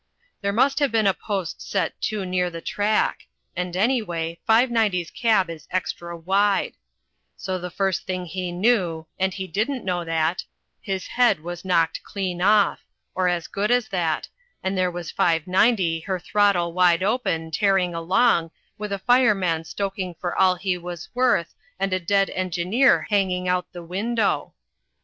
"There must have been a post set too near the track, and anyway 590's cab is extra wide, so the first thing he knew and he didn't know that his head was knocked clean off, or as good as that, and there was 590, her throttle wide open, tearing along, with a fireman stoking for all he was worth and a dead engineer hanging out the window.